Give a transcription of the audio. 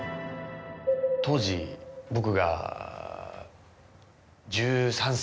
当時僕が１３歳。